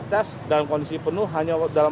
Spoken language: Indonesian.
tes dalam kondisi penuh hanya dalam